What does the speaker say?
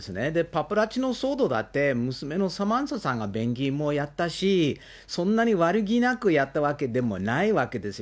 パパラッチの騒動だって、娘のサマンサさんがもやったし、そんなに悪気なくやったわけでもないわけです。